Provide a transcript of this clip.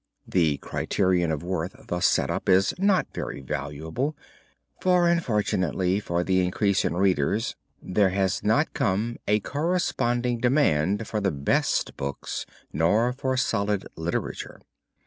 The criterion of worth thus set up is not very valuable, for unfortunately for the increase in readers, there has not come a corresponding demand for the best books nor for solid literature.